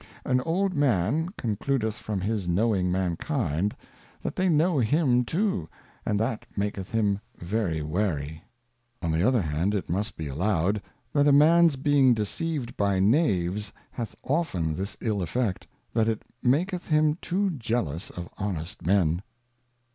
An old Man concludeth from his knowing Mankind, that they know him too, and that maketh him very wary. On the other hand, it must be allowed, that a Man's being deceived by Knaves hath often this Ul Effect, that it maketh him too jealous of honest Men.